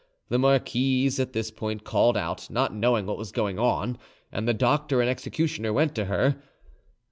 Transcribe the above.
The marquise at this point called out, not knowing what was going on, and the doctor and executioner went to her.